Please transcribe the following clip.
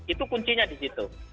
itu kuncinya di situ